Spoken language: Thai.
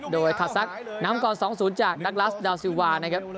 โดยคาซักนำก่อน๒๐จากนักรัสดาวซิลวานะครับ